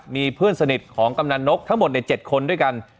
มีเพื่อนสนิทของกำนันนกทั้งหมดใน๗คนด้วยกัน